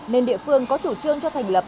nên địa phương có chủ trương cho thành lập